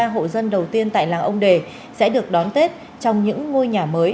ba hộ dân đầu tiên tại làng ông đề sẽ được đón tết trong những ngôi nhà mới